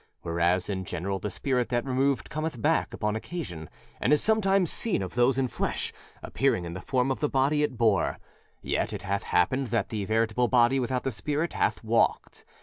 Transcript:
Whereas in general the spirit that removed cometh back upon occasion, and is sometimes seen of those in flesh (appearing in the form of the body it bore) yet it hath happened that the veritable body without the spirit hath walked.